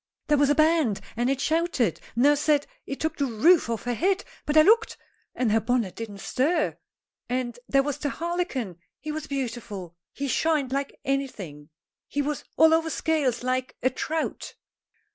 "There was a band and it shouted. Nurse said it took the roof off her head, but I looked, and her bonnet didn't stir. And there was the harlequin, he was beautiful. He shined like anything. He was all over scales, like a trout."